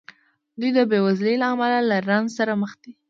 دوی د بېوزلۍ له امله له رنځ سره مخ دي.